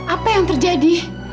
apa yang terjadi